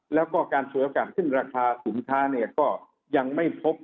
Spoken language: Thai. แล้วก็การสวยโอกาสขึ้นราคาสินค้าเนี่ยก็ยังไม่พบ